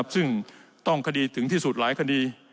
ซึ่งต้องคดีถึงที่สุดหลายคดี